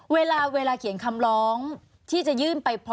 เวลาเวลาเขียนคำร้องที่จะยืนไปพวงงาน